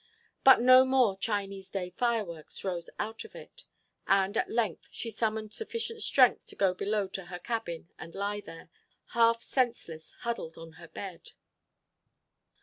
But no more "Chinese day fireworks" rose out of it. And at length she summoned sufficient strength to go below to her cabin and lie there, half senseless, huddled on her bed.